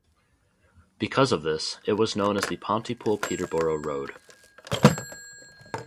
Because of this, it was known as the Pontypool-Peterborough Road.